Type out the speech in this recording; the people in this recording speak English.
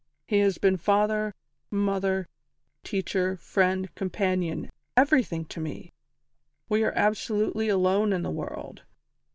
He has been father, mother, teacher, friend, companion everything to me. We are absolutely alone in the world.